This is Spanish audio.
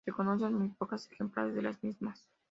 Se conocen muy pocos ejemplares de las mismas.